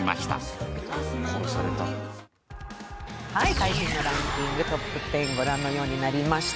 最新のランキングトップ１０ご覧のようになりました。